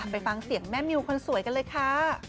ไปฟังเสียงแม่มิวคนสวยกันเลยค่ะ